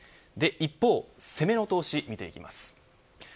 一方、攻めの投資見ていきます。